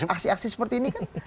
aksi aksi seperti ini kan